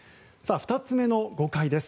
２つ目の誤解です。